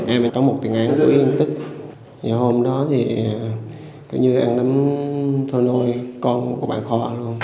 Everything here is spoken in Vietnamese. em có một tiền án của yên tích hôm đó thì cứ như ăn nấm thua nôi con của bạn họ